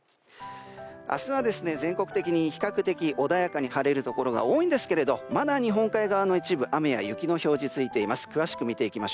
明日は全国的に比較的穏やかに晴れるところが多いんですがまだ日本海側の一部雨や雪の表示がついています。